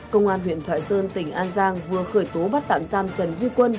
công an huyện thoại sơn tỉnh an giang vừa khởi tố bắt tạm giam trần duy quân